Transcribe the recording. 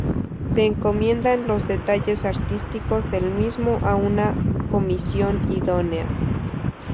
Se encomiendan los detalles artísticos del mismo a una comisión idónea.